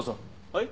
はい？